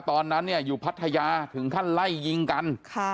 ตอนนั้นเนี่ยอยู่พัทยาถึงขั้นไล่ยิงกัน